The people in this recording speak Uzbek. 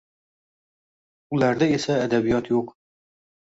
Ularda esa adabiyot yo’q